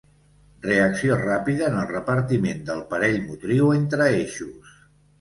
Reacció ràpida en el repartiment del parell motriu entre eixos.